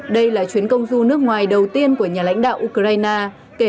đây là chuyến công du nước ngoài đầu tiên của nhà lãnh đạo ukraine